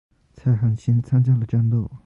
蔡汉卿参加了战斗。